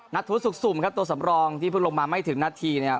ธุสุขสุ่มครับตัวสำรองที่เพิ่งลงมาไม่ถึงนาทีเนี่ย